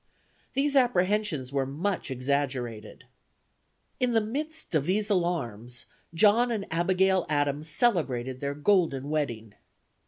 These apprehensions were much exaggerated." In the midst of these alarms, John and Abigail Adams celebrated their golden wedding.